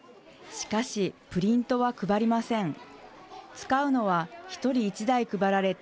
しかし、プリントは配りません。